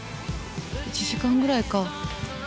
１時間ぐらいか。